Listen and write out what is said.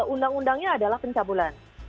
undang undangnya adalah pencabulan